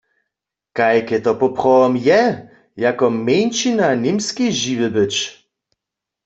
Kajke to poprawom je, jako mjeńšina w Němskej žiwy być?